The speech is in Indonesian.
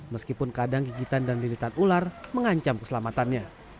meskipun kadang gigitan dan liritan ular mengancam keselamatannya